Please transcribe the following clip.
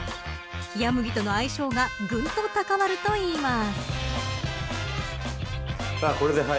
冷麦との相性がぐんと高まるといいます。